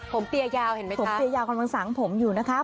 ผมเตียยาวเห็นมั้ยคะผมเตียยาวกับสางผมอยู่นะคะ